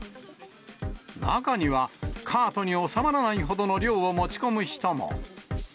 中には、カートに収まらないほどの量を持ち込む人も。